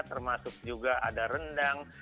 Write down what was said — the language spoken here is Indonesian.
termasuk juga ada rendang